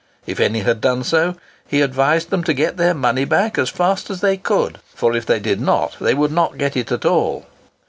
If any had done so, he advised them to get their money back as fast as they could, for if they did not they would not get it at all.